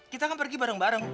kita kan pergi bareng bareng